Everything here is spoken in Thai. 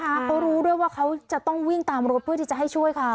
เขารู้ด้วยว่าเขาจะต้องวิ่งตามรถเพื่อที่จะให้ช่วยเขา